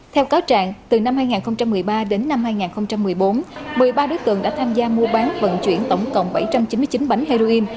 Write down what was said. theo cáo trạng từ năm hai nghìn một mươi ba đến năm hai nghìn một mươi bốn một mươi ba đối tượng đã tham gia mua bán vận chuyển tổng cộng bảy trăm chín mươi chín bánh heroin